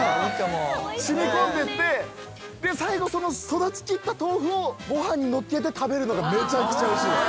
染み込んでいって最後その育ちきった豆腐をご飯にのっけて食べるのがめちゃくちゃおいしいです。